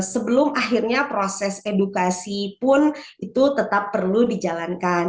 sebelum akhirnya proses edukasi pun itu tetap perlu dijalankan